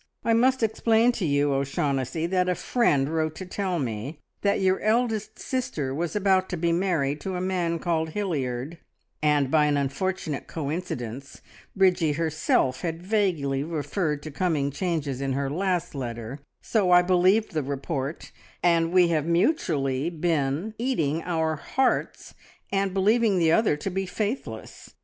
I must explain to you, O'Shaughnessy, that a friend wrote to tell me that your eldest sister was about to be married to a man called Hilliard, and by an unfortunate coincidence Bridgie herself had vaguely referred to coming changes in her last letter, so I believed the report, and we have mutually been eating our hearts, and believing the other to be faithless.